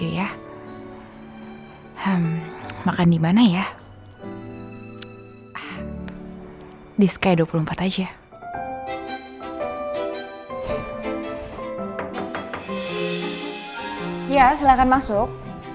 ya silahkan masuk